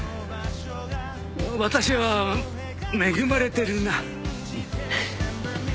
私は恵まれてるな。